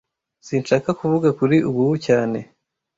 Sinshaka kuvuga kuri ubu cyane